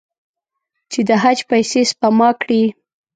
چې د حج پیسې سپما کړي.